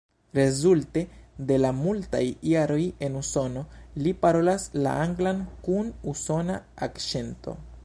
Rezulte de la multaj jaroj en Usono, li parolas la anglan kun usona akĉento.